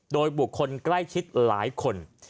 โดยบุคคลใกล้ชิดหลายคน